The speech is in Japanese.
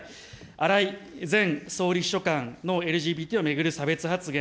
荒井前総理秘書官のＬＧＢＴを巡る差別発言。